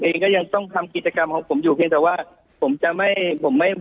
เองก็ยังต้องทำกิจกรรมของผมอยู่เพียงแต่ว่าผมจะไม่ผมไม่